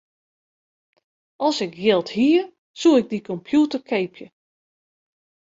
As ik jild hie, soe ik dy kompjûter keapje.